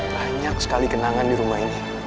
banyak sekali kenangan di rumah ini